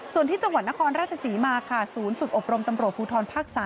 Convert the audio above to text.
ส่วนที่จังหวัดนครราชศรีมาค่ะศูนย์ฝึกอบรมตำรวจภูทรภาค๓